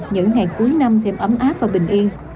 những ngày cuối năm thêm ấm áp và bình yên